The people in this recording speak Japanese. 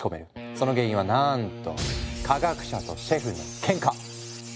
その原因はなんと科学者とシェフのケンカ。